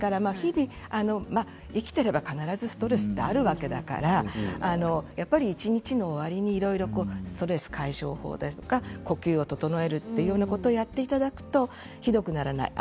生きていれば必ずストレスはあるわけだからやっぱり一日の終わりにストレス解消法とか呼吸を整えることをやっていただくとひどくならない。